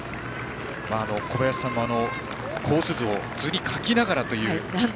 小林さん、コースを図に描きながらという。